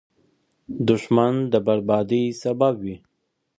دښمن د بربادۍ سبب وي